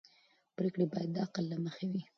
پرېکړې باید د عقل له مخې وي